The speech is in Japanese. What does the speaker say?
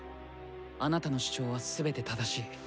あなたの主張は全て正しい。